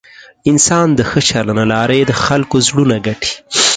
انسان د ښه چلند له لارې د خلکو زړونه ګټي.